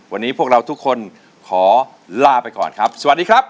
วันนี้พวกเราทุกคนขอลาไปก่อนครับสวัสดีครับ